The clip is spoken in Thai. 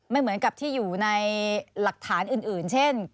เหมือนกับที่อยู่ในหลักฐานอื่นเช่น